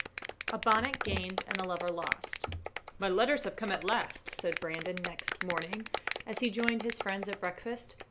A Bonnet Gained And A Lover Lost "My letters have come at last," said Brandon, next morning, as he joined his friends at breakfast.